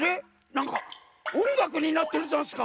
なんかおんがくになってるざんすか？